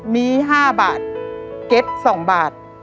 มี๕บาทเก็ต๒บาท